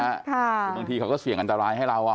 คือบางทีเขาก็เสี่ยงอันตรายให้เรา